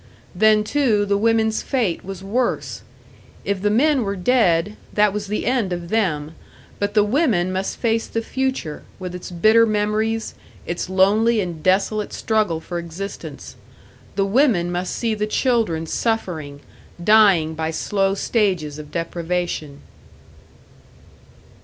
Then too, the women's fate was worse. If the men were dead, that was the end of them; but the women must face the future, with its bitter memories, its lonely and desolate struggle for existence. The women must see the children suffering, dying by slow stages of deprivation.